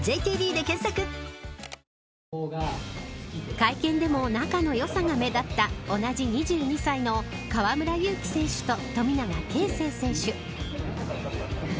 会見でも仲のよさが目立った同じ２２歳の河村勇輝選手と富永啓生選手。